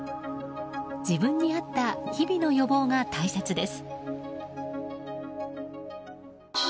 自分に合った日々の予防が大切です。